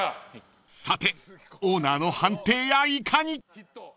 ［さてオーナーの判定やいかに？］